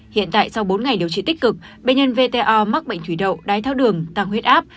hiện tại sau bốn ngày điều trị tích cực bệnh nhân vto mắc bệnh thủy đậu đái tháo đường tăng huyết áp